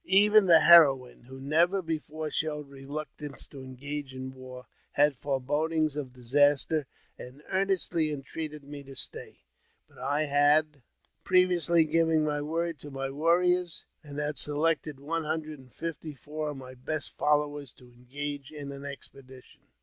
Even the heroine, who never be fore showed reluctance to engage in war, had forebodings of disaster, and earnestly entreated me to stay. But I had Mystery, or Medicine, Man, with Mystery Drum, (Blackfoot.) JAMES P. BECKWOUBTH. 257 one hundred and fifty four of my best followers to engage in ; an expedition.